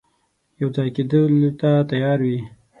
یو ځای کېدلو ته تیار وي.